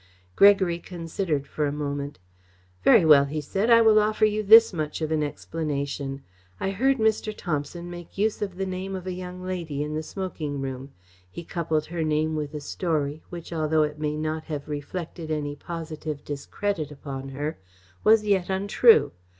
Gregory considered for a moment. "Very well," he said, "I will offer you this much of an explanation. I heard Mr. Thomson make use of the name of a young lady in the smoking room. He coupled her name with a story, which, although it may not have reflected any positive discredit upon her, was yet untrue.